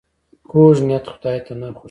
کوږ نیت خداي ته نه خوښیږي